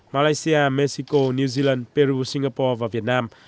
malaysia mexico new zealand peru singapore và việt nam